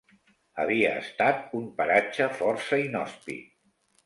Havia estat un paratge força inhòspit.